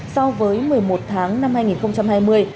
so với một mươi một tháng năm hai nghìn hai mươi